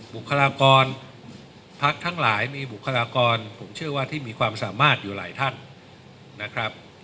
บุคลากรพักทั้งหลายมีบุคลากรผมเชื่อว่าที่มีความสามารถอยู่หลายท่านนะครับ